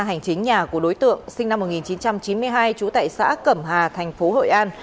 hành chính nhà của đối tượng sinh năm một nghìn chín trăm chín mươi hai trú tại xã cẩm hà thành phố hội an